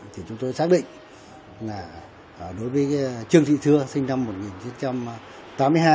thì chúng tôi xác định là đối với trương thị thưa sinh năm một nghìn chín trăm tám mươi hai